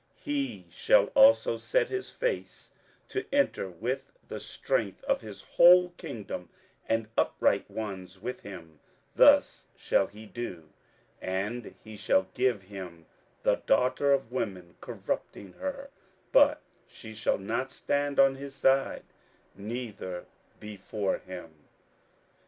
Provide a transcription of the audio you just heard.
27:011:017 He shall also set his face to enter with the strength of his whole kingdom, and upright ones with him; thus shall he do: and he shall give him the daughter of women, corrupting her: but she shall not stand on his side, neither be for him.